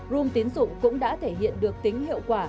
room tiến dụng cũng đã thể hiện được tính hiệu quả